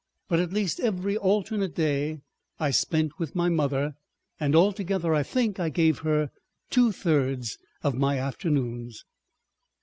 ... But at least every alternate day I spent with my mother, and altogether I think I gave her two thirds of my afternoons.